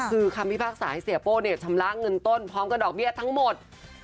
คือคำพิพากษาให้เสียโป้ชำระเงินต้นพร้อมกับดอกเบี้ยทั้งหมด